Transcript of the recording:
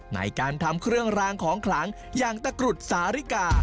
ในการทำเครื่องรางของขลังอย่างตะกรุดสาริกา